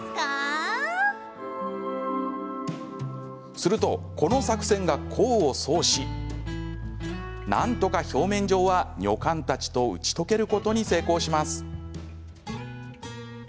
すると、この作戦が功を奏しなんとか表面上は女官たちと打ち解けることに成功します。